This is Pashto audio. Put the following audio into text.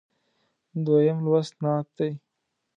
دویم لوست نعت دی.